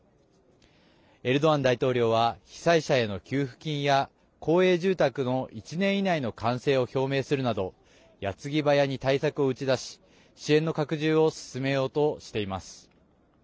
エルドアン大統領は被災者への給付金や公営住宅の１年以内の完成を表明するなどやつぎばやに対策を打ち出し支援の拡充を進めようとしています。